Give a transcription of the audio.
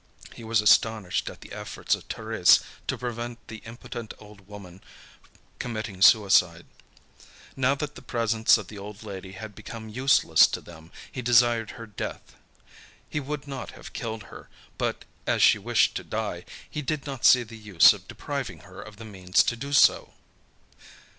He was astonished at the efforts of Thérèse to prevent the impotent old woman committing suicide. Now that the presence of the old lady had become useless to them he desired her death. He would not have killed her, but as she wished to die, he did not see the use of depriving her of the means to do so.